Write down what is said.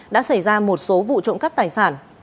đã xảy ra một số vụ trộm cắp tài sản